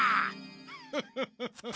フフフフフ。